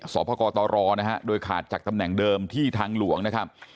สพกตรนะฮะโดยขาดจากตำแหน่งเดิมที่ทางหลวงนะครับ